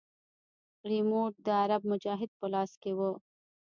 ريموټ د عرب مجاهد په لاس کښې و.